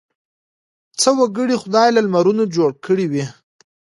څه وګړي خدای له لمرونو جوړ کړي وي.